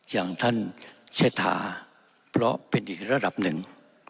อย่างท่านเชษฐาเพราะเป็นอีกระดับหนึ่ง